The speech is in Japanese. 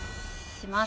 します。